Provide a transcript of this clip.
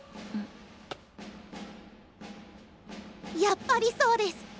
やっぱりそうデス！